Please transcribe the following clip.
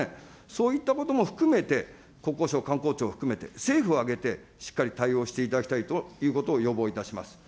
そういったことも含めて、国交省、観光庁も含めて、政府を挙げて、しっかり対応していただきたいということを要望いたします。